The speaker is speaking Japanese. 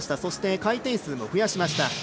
そして回転数も増やしました。